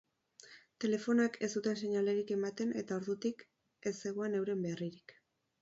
Telefonoek ez zuten seinalerik ematen eta ordutik ez zegoen euren berririk.